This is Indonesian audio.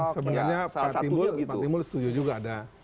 sebenarnya pak timbul setuju juga ada